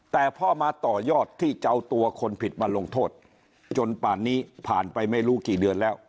แต่พ่อมาต่อยอดที่จะเอาตัวคนผิดมาลงโทษจนป่านนี้ผ่านไปไม่รู้กี่เดือนแล้ว